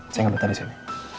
saya ngebentar disini